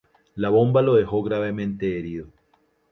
La bomba lo dejó gravemente herido.